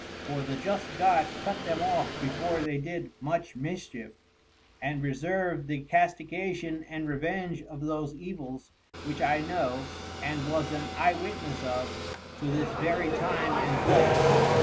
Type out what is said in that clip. For the Just God cut them off before they did much Mischief, and reserv'd the Castigation and Revenge of those Evils which I know, and was an Eye Witness of, to this very Time and Place.